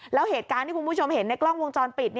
แล้วเหตุการณ์ที่คุณผู้ชมเห็นในกล้องวงจรปิด